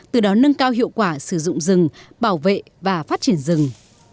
từ đó nâng cao hiệu quả sử dụng rừng bảo vệ và phát triển rừng